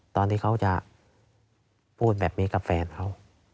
ตอนที่เขาจะพูดแบบนี้กับแฟนเขา